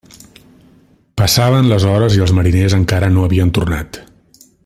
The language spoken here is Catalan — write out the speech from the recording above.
Passaven les hores i els mariners encara no havien tornat.